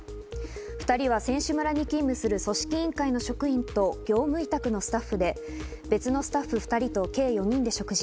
２人は選手村に勤務する組織委員会の職員と業務委託のスタッフで別のスタッフ２人と、計４人で食事。